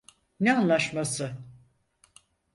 Ne anlaşması?